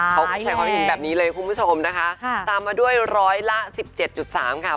เขาแสดงความเห็นแบบนี้เลยคุณผู้ชมนะคะตามมาด้วยร้อยละ๑๗๓ค่ะ